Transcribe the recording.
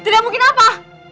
tidak mungkin apa